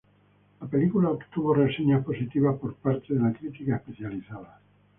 La película obtuvo reseñas positivas por parte de la crítica especializada.